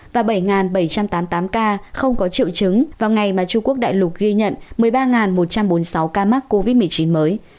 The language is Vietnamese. và bảy bảy trăm tám mươi tám ca không có triệu chứng vào ngày mà trung quốc đại lục ghi nhận một mươi ba một trăm bốn mươi sáu ca mắc covid một mươi chín mới